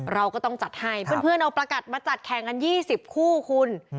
เราก็ต้องจัดให้เพื่อนเอาประกัดมาจัดแข่งกัน๒๐คู่คุณ